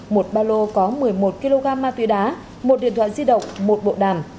một ba lô có một mươi một kg ma túy đá một điện thoại di động một bộ đàm